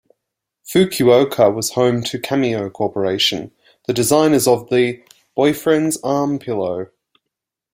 Fukuoka was home to Kameo Corporation, the designers of the "Boyfriend's Arm Pillow".